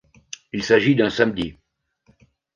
Il s'agit d'un samedi.